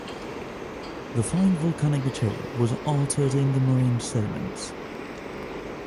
The fine Volcanic material was altered on the Marine sediments.